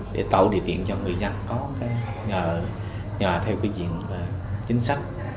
để tạo điều kiện cho người dân có nhờ theo quy định chính sách